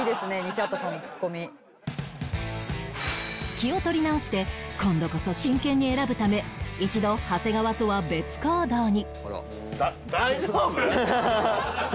気を取り直して今度こそ真剣に選ぶため一度長谷川とは別行動に